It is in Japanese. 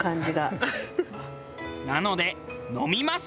なので飲みます！